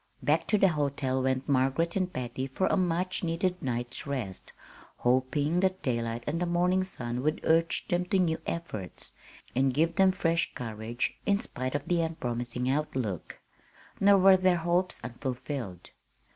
Back to the hotel went Margaret and Patty for a much needed night's rest, hoping that daylight and the morning sun would urge them to new efforts, and give them fresh courage, in spite of the unpromising outlook. Nor were their hopes unfulfilled.